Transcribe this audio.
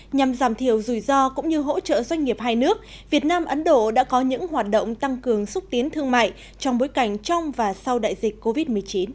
nhằm giảm thiểu rủi ro cũng như hỗ trợ doanh nghiệp hai nước việt nam ấn độ đã có những hoạt động tăng cường xúc tiến thương mại trong bối cảnh trong và sau đại dịch covid một mươi chín